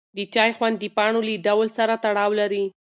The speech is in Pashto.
د چای خوند د پاڼو له ډول سره تړاو لري.